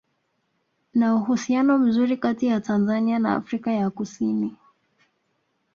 Na uhusiano mzuri kati ya Tanzania na Afrika ya kusini